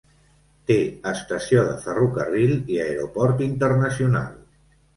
Té estació de ferrocarril i aeroport internacional.